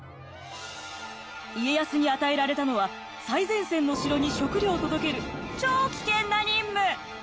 家康に与えられたのは最前線の城に食糧を届ける超危険な任務！